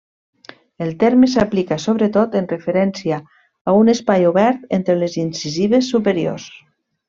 El terme s'aplica sobretot en referència a un espai obert entre les incisives superiors.